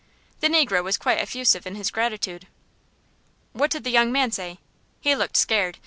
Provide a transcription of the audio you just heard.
The negro was quite effusive in his gratitude. "What did the young man say?" "He looked scared.